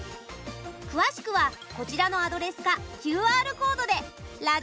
詳しくはこちらのアドレスかＱＲコードで